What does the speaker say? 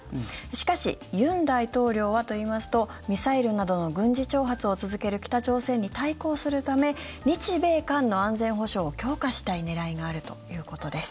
しかし、尹大統領はといいますとミサイルなどの軍事挑発を続ける北朝鮮に対抗するため日米韓の安全保障を強化したい狙いがあるということです。